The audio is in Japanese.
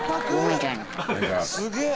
「すげえ！」